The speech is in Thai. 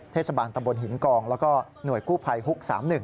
เทศบาลตำบลหินกองแล้วก็หน่วยกู้ภัยฮุก๓๑